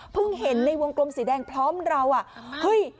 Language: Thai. เห็นในวงกลมสีแดงพร้อมเราอ่ะเฮ้ย